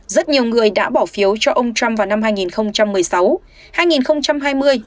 rất nhiều người đã bỏ phiếu cho ông trump vào năm hai nghìn một mươi sáu